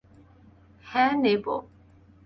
হাঁ, নেব।